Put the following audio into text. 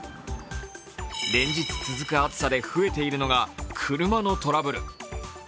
連日続く暑さで増えているのが車のトラブル。